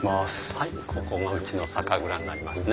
はいここがうちの酒蔵になりますね。